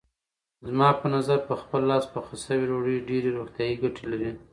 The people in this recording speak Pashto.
زما په نظر په خپل لاس پخه شوې ډوډۍ ډېرې روغتیايي ګټې لري.